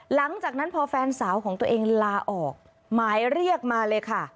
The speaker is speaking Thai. หลังจากนั้นพอแฟนสาวของตัวเองลาออกหมายเรียกมาเลยค่ะ